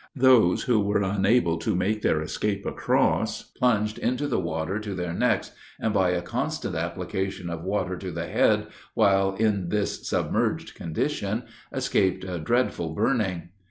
Those who were unable to make their escape across plunged into the water to their necks, and, by a constant application of water to the head, while in this submerged condition, escaped a dreadful burning.